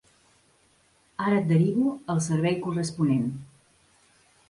Ara et derivo al servei corresponent.